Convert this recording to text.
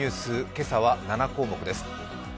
今朝は７項目です。